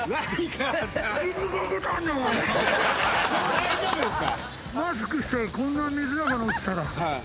大丈夫ですか？